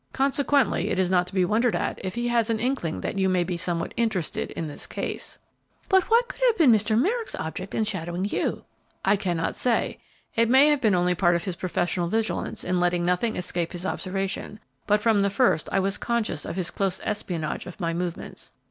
Consequently, it is not to be wondered at if he has an inkling that you may be somewhat interested in this case." "But what could have been Mr. Merrick's object in shadowing you?" "I cannot say. It may have been only part of his professional vigilance in letting nothing escape his observation; but from the first I was conscious of his close espionage of my movements.